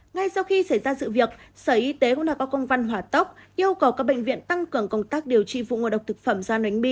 ngay sau khi xảy ra sự việc sở y tế cũng đã có công văn hỏa tốc yêu cầu các bệnh viện tăng cường công tác điều trị vụ ngộ độc thực phẩm do nến